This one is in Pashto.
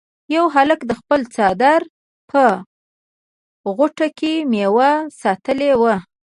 یو هلک د خپل څادر په غوټه کې میوه ساتلې وه.